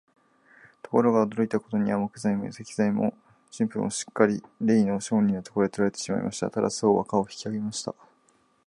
ところが、驚いたことには、材木も石材も人夫もすっかりれいの商人のところへ取られてしまいました。タラス王は価を引き上げました。